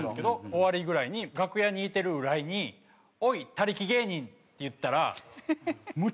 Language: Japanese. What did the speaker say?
終わりぐらいに楽屋にいてる浦井におい他力芸人って言ったらむちゃくちゃキレられて。